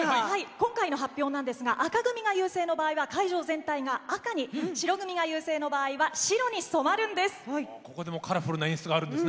今回の発表なんですが紅組が優勢の場合は会場全体が紅に白組が優勢の場合は白に染まります。